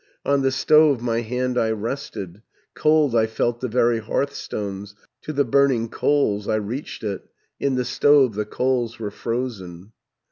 On the stove my hand I rested. Cold I felt the very hearthstones, To the burning coals I reached it; In the stove the coals were frozen.